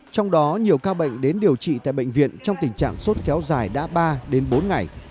trong đó nhiều ca bệnh đến điều trị tại bệnh viện trong tình trạng sốt kéo dài đã ba đến bốn ngày